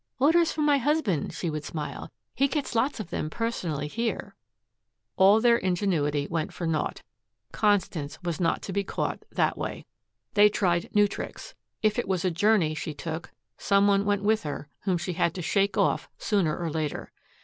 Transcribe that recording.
"Orders for my husband," she would smile. "He gets lots of them personally here." All their ingenuity went for naught. Constance was not to be caught that way. They tried new tricks. If it was a journey she took, some one went with her whom she had to shake off sooner or later.